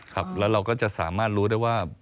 ครับแล้วเราก็จะสามารถรู้ได้ว่า